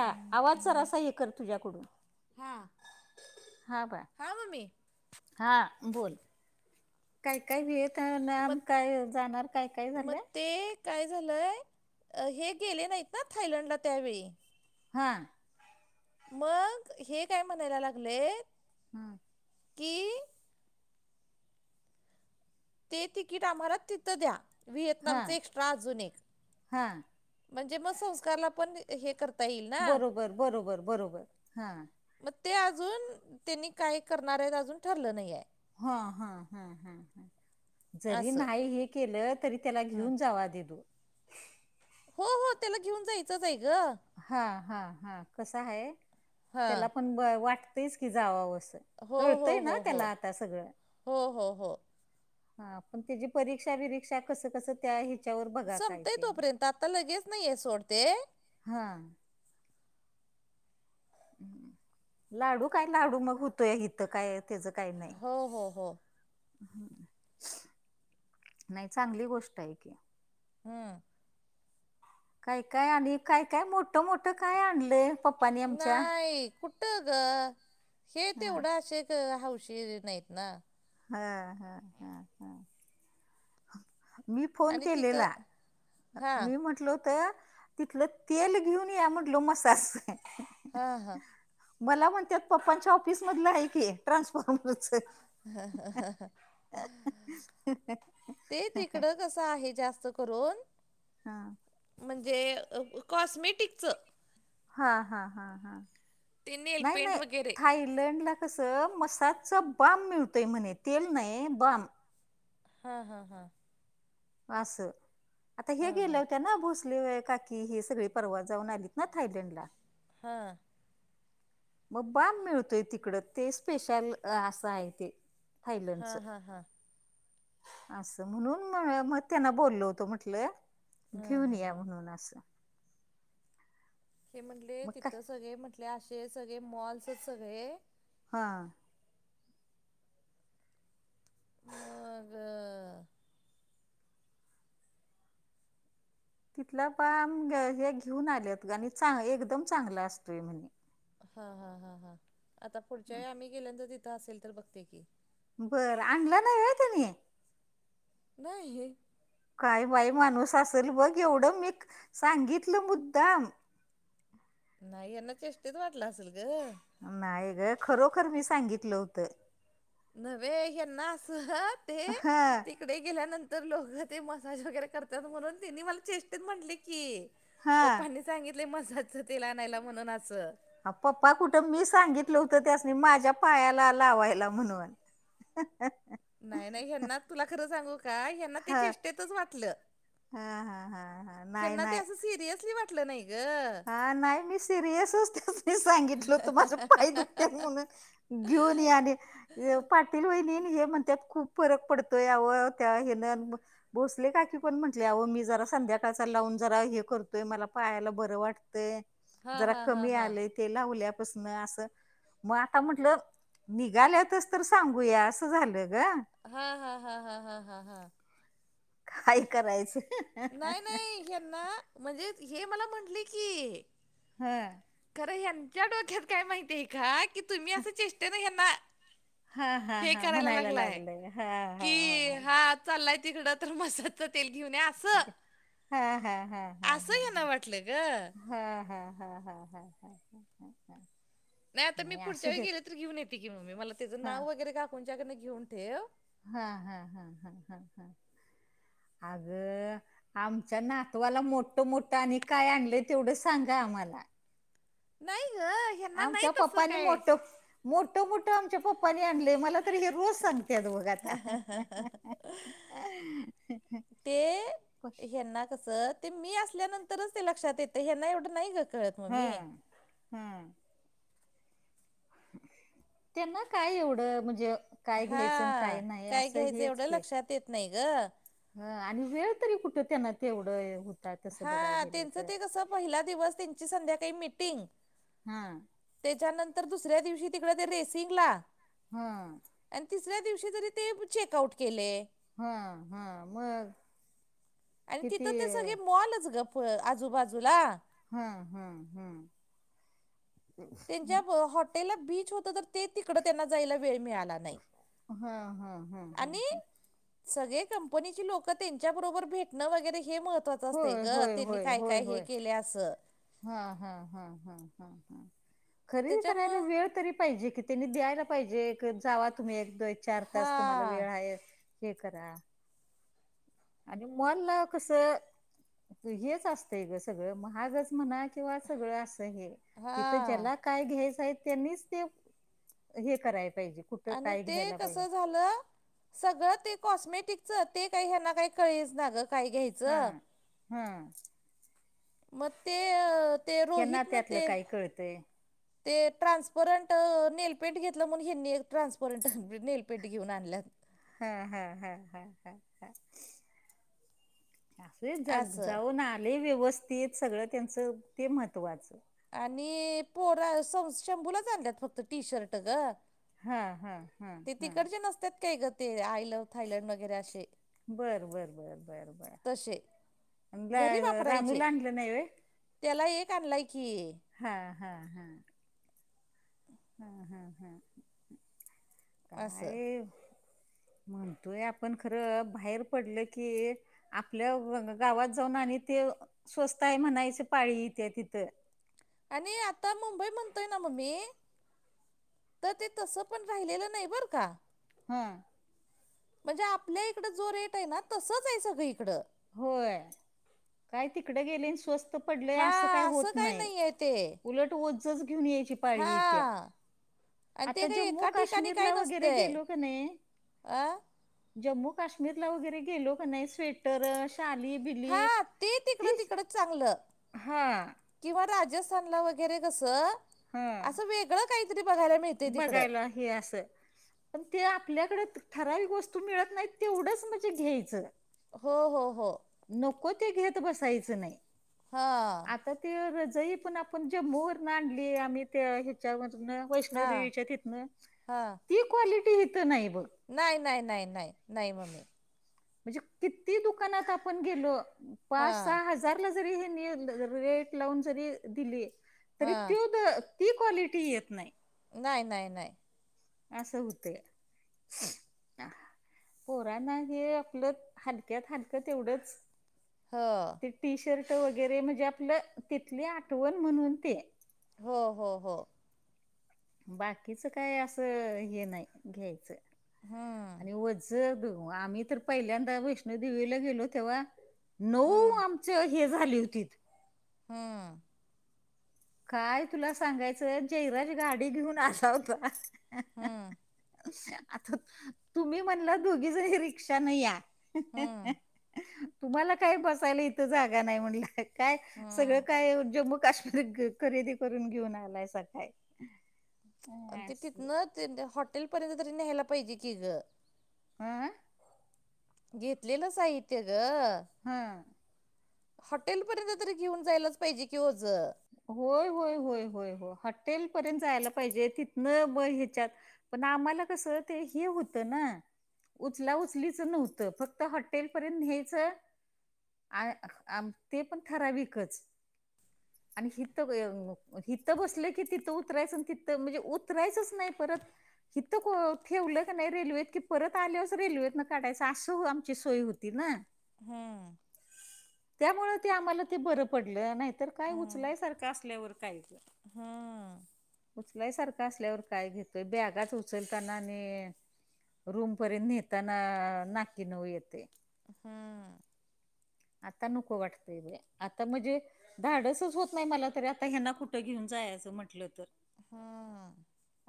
हा, आवाज जरासा हे कर तुझ्याकडून हा हा बा हा, मम्मी! हा, बोल! काय, काय भेत ना आम, मग काय जाणार काय, काय मग झालंय. ते काय झालंय, हे गेले नाहीत ना थायलंडला त्यावेळी हा! मग, हे काय म्हणायला लागलेत हम्म! की ते तिकीट आम्हाला तिथं द्या, [unintelligible] हा आमच एक्स्ट्रा अजून एक. हा म्हणजे, मग संस्कारला पण हे कर बरोबर, बरोबर, बरोबर हा! मग ते अजून, त्यांनी काही करणार आहेत. अजून ठरलं नाहीये. हा, हा, हा, ह जरी असं नाही हे केलं तरी त्याला हं. घेऊन जावा दिदू. हो, हो त्याला घेऊन जायचंच आहे ग! हा, हा, हा कस आहे, त्याला हां पण ब वाटतयचं की, जाववं असं हो हो कळतयं ना, हो हो त्याला आता सगळं. हो हो हो हा, पण त्याची परीक्षा बिरीक्षा कसं, कसं त्या हिच्यावर बघा काय संपतय ते तोपर्यंत आता लगेच नाहिये सोड ते हा! लाडू काय, लाडू मग होतो या इथं काय तेझं काही नाही. हो हो हो नाही चांगली गोष्ट आहे की! हम! काय, काय आणि काय, काय मोठं, मोठं काय आणलंयं. पप नाही.. कुठ ग हे हा, तेवढं अशे त हाऊशी नाहीत ना, हा, हा! मी फोन आणि केलेला, तिथं हां मी म्हंटल होत तिथलं तेल घेऊन या म्हटलो, मसाज हा, हा! मला म्हणत्यात पप्पांच्या ऑफिस मधलं आहे की, ट्रान्सफॉर्मर हा, हा, हा, हा. ते तिकडं कसं आहे. जास्त करून [unintelligible] म्हणजे कॉस्मेटिकचं. हा, हा, हा, हा, ते नेल नाही, पेंट नाही, वगैरे थाय लेंलंडला कसं मसाजचा बाम मिळतोय म्हणे, तेल नाही बाम. हा, हा, हा. असं, आता हे हां गेलं हां होत्यांना भोसले काकी. की हे सगळी परवा जाऊन आलीत ना थायलंड ला. हा. मग बाम मिळतोय तिकडं, ते स्पेशल असं हाय ते थायलंंडच. हां हां हां असं म्हणून म मग त्यांना बोललो होतो, म्हटलं घेऊन या म्हणून असं. हे म्हटले मग तिथं काय सगळे म्हटले, असे सगळे मॉल्सच सगळे, हां. मगऽ तिथला बाम हे घेऊन आलेत ग, आणी चांगला एकदम चांगला असतोय म्हणे. हा हा हा हा, आता पुढच्या वेळी आम्ही गेल्या जर तिथं असेल तर बघते की, बर, आनला नाही वय तुम्ही. नाही. काय बाई माणूस असल बघ, एवढं मी सांगितलं मुद्दाम नाही यांना चेष्टत वाटलं असल ग. नाही ग, खरोखर मी सांगितलं होतं. नव्हे ह्यंना असं ते हा. तिकडे गेल्यानंतर लोकं ते मसाज वगैरे करत्यात, म्हणून त्यांनी मला चेष्टेत म्हटले की, हा पप्पांनी सांगितलय मसाजाचं तेल आणायला म्हणून असं. पप्पा कुठं, मी सांगितलं होतं त्यासनी माझ्या पायाला लावायला म्हणून. हहह नाही नाही, हना तुला खरं सांगू का, ह्यांना हंना ह ते असं चेष्टेतच वाटलं, हा हा हा हा नाही ह्यंना ते असं सिरीयसली ऽ वाटलं नाही गं. हं नाही मी सिरियसचते सांगितलं हुतं माझं पाय दुखत्यात म्हणून. घेऊन या आणि पाटील वहिनी आणि हे म्हणत्यात खूप फरक पडतोय यावर त्या ह्यनं भोसले काकी पण म्हटल्या अहो मी जरा संध्याकाळचा लावून जरा हे करतोय, मला पायाला बरं वाटऽ तय, हा जरा हा हा कमी हा आलंय ते लावल्यापासनं असं. मग आता म्हटलं, निघाल्यातच तर सांगूया, असं झालं ग. हा हा हा हा हा हा हा. काय करायचं. नाही नाही यांना, म्हणजे हे मला म्हटले की, हा. खरं यांच्या डोक्यात काय माहिती आहे का, कि तुम्ही असं चेष्टे न यांना हा हा हा, म्हणायला लागलोय, हा हा की हा. हा चाललाय तिकडं तर मसाजच तेल घेऊन या. हा हा हा हा असं हा ह्यांना ह. वाटलं ग हा हा हा हा हा. नाही आता मी असू पुढच्या वेळी देत गेले तर घेऊन येते की मम्मी, मला त्याचं हा नाव वगैरे काकूनच्याकडनं घेऊन ठेव, हा हा हा हा, अगंऽ आमच्या नातवाला मोठ मोठं आणि काय आणलंय तेवढं सांगा आम्हाला. नाही गं. आमच्या पप्पानी मोटं मोटं मोटं आमच्या पप्पानी आणलय मला त हे रोज सांगते बघ आता. [inaudible] ते ह्यांना कस, ते मी असल्यानंतरच ते लक्षात येतय, हेंना एवढं नाही ग कळत मम्मी हम्म, हम्म. त्यांना काय एवढं म्हणजे काय घ्यायचं आणि हा, नाही काय असं घ्यायचं एवढं लक्षात येत नाही गं. हा आणि वेळ तरी कुठे त्यांना तेवढं हु हा, त्यांचं ते कस पहिला दिवस त्यांची संध्याकाळी मिटिंग. हम्म. तेच्यानंतर दुसऱ्या दिवशी तिकडे ते रेसिंग ला. हम्म. आणि तिसऱ्या दिवशी जरी ते चेकआउट केलय. हा, हा, मग? आणि किती तिथं ते सगळे मॉलच ग आजूबाजूला. हं, हं, हं. त्यांच्या हॉटेलला बीच होत, तर ते तिकडं त्यांना जायला वेळ मिळाला‌ हा, हा, हा, हा. सगळे कंपनीची लोक त्यांच्याबरोबर भेटणं वगैरे, हे महत् त्वाच असतय होय ग, होय त्यांनी होय काय, होय काय हे होय केलय असं. हा, हा, हा, हा, हा, हा. खरेदी करायला त्याच्यामुळं वेळ तरी पाहिजे की, त्यांनी द्यायला पाहिजे जावा तुम्ही एक चार तास तुम्हाला हा वेळ आहे हे करा. आणि मॉलला कस हेच असतंय ग सगळं महागच म्हणा किंवा सगळ अस हे, हा इथ ज्याला काय घ्यायचय, त्यांनीच ते हे कराय पाहिजे. कुठं आणि काय ते घ्यायला पाहिजे कसं झालं? सगळं ते कॉस्मेटिकच, ते काही हेंना काही कळेच ना ग काही घ्याय हा, हा. मग ते, ते यांना रोहितन त्यातलं ते काय कळतंय ते ट्रान्सपरंट नेलपेंट घेतलं म्हणून, ह्यांनी एक ट्रान्सपरंट नेलपेंट घेऊन आणल्यात. हा, हा, हा, हा. जग असं जाऊन आलेय, व्यवस्थित सगळं त्यांचं ते महत्त्वाचं. आणि पोरा स शंभूला चालल्यात फक्त टी शर्ट ग. हा, हा. हा ते हा तिकडचे नसतात काही ग, ते आयल थायलंड वगैरे अशे, बर बर बर बर बर तशे. रानूला आणलं नाही होय? त्याला एक आणलाय की. हा, हा, हा. हं, हं, हं. आस. म्हणतोय आपण खरं, बाहेर पडलं की आपल्या गावात जाऊन आणि ते स्वस्त आहे म्हणायचं पाळीथ येत्या तिथं. आणि आता मुंबई म्हणतोय ना मम्मे तर ते तसं पण राहिलेलं नाही बरं का? हा. म्हणजे आपल्या इकडं जो रेट आहे ना तसचं आहे, सगळ इकडं. होय, काय तिकडं गेली अन् स्वस्त पडलंय असं काही होत नाही, उलट ओझंच घेऊन यायची हा पाळी येत्या, आणि ते आता काही एका ठिकाणी काही जम्मू-काश्मीरला वगैरे नसतंय गेलो का नाही अ जम्मू काश्मीरला वगैरे गेलो का नाही स्वेटर, शाली, हा बिली ते तिकडं तीच तिकडं चांगलं हा किंवा राजस्थानला वगैरे कसं, हा असं वेगळं काहीतरी बघायला मिळते तिकडं. बघायला हे असं पण ते आपल्याकडे ठराविक वस्तू मिळत नाही, तेवढंच म्हणजे घ्यायचं. हो, हो, हो. नको ते घेत बसायचं नाही. हां, आता ते रजई पण आपण जम्मू वरणं आणली आम्ही त्या ह्याच्यावरनं वैष्णव हां देेवीच्या तिथनं, हां ती क्वालिटी हथं नाही बघ. नाही, नाही, नाही, नाही, नाही मम्मी म्हणजे किती दुकानात आपण गेलो पाच हां -सहा हज हजार जरी यांनी रेट लावून जरी दिली, तरी हां त्यो बघ ती क्वालिटी येत नाही. नाही, नाही, नाही. असं होतया पोराना हे आपलं, हलक्यात हलकं तेवढंच हो. ते टी शर्ट वगैरे म्हणजे आपलं, तिथली आठवण म्हणून ते हो, हो, हो. बाकीचं काय असं हे नाही घ्यायचं. आणि वोझ बघून, आम्ही तर पहिल्यांदा वैष्णोदेवीला गेलो तेव्हा नऊ आमचं हे झाली होतीत हम्म, काय तुला सांगायचं जयराज गाडी घेऊन आला होता ना हम्म, आता, तुम्ही म्हणलं दोघी जनी रिक्षानं या. हम्म, तुम्हाला काय बसायला इथं जागा नाही म्हटलं, काय सगळं हम्म. काय जम्मू काश्मीर खरेदी करून घेऊन आलायसा काय? अन् ते तिथनं ते हॉटेल पर्यंत तरी न्यायला पाहिजे की गं. अं, घेतलेलं साहित्य गं हं, हॉटेलपर्यंत तरी घेऊन जायलाच पाहिजे कि ओझं होय, होय, होय, होय हॉटेल पर्यंत जायला पाहिजे, तिथनं मं ह्याच्यात पण आम्हाला कसं ते हे होतं ना उचला- उचलीचं नव्हतं, फक्त हॉटेल पर्यंत न्यायचं आ अंमं ते पण ठराविकच. आणि हिथ अं, हिथं बसलं की तिथं उतरायचं अन् तिथं म्हणजे उतरायचंच नाही परत. इथं ठेवलं क नई की रेल्वेत, की परत आल्यावरच रेल्वेत न काढायं असं आमची सोय होत होती ना. हूं! त्यामुळ ते आम्हाला ते बरं पडलं नाही तर काय उचलाय सारखं अ सल्यावर काय. हं! उचलायसारखं असल्यावर काय घेतोय बॅगाच उचलतांना नी! रूमपर्यंत न्हेताना नाक्की नऊ येतेयं. हूं! आता नको वाटतय त्यां आता म्हणजे धाडसचं होत नाही मला तरी आता, ह्यांना कुठं घेऊन जायाच म्हंटलं तर. हा हा!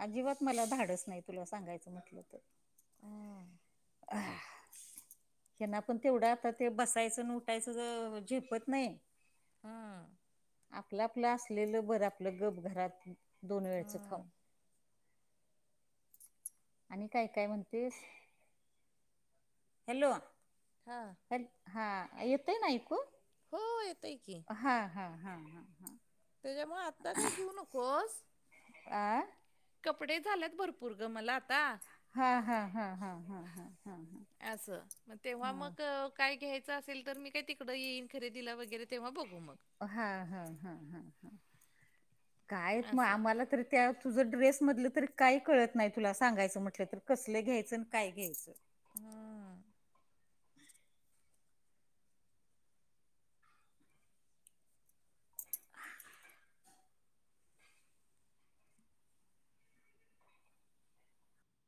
अजिबात मला धाडच नाही तुला सांगायचं म्हटलं त. हू! [inaudible] त्यांना पण तेवढ आता ते बसायचं नं उठायचं झेपत नही. हू! आपलं आपलं असलेलं बरं आपलं गप घरात दोन वेळचं खाऊन. हम्म. आणि काय काय म्हणतेस हॅलो! हा! हा येतय ना ऐकू? हो येतयं की. हा हा हा हा हा! त्याच्यामुळे आत्ता काय घेऊ नकोस. आ! कपडे झाल्यात भरपूर ग मला आता. हा हा हा हा हा हा हा हां! आसं मं तेव्हा मग! काय घ्यायचं असेल तर मी काय तिकडं येईन खरेदीला वगैरे तेव्हा बघू मग. हा हा हा ह ह काय मग असं आम्हाला तर! त्या तुझं ड्रेस मधलं तरी काही कळत नाही तुला, सांगायचं म्हटलं तर कसलं घ्यायचं, आणि काय घ्यायचं. हं!